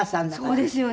そうですよね。